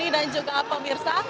dan juga pemirsa